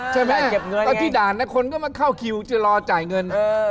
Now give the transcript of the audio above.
เก็บเงินตอนที่ด่านนะคนก็มาเข้าคิวจะรอจ่ายเงิน